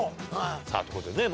さぁということでね